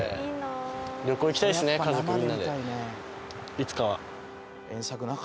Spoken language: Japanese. いつかは。